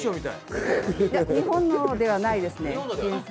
日本のではないですね。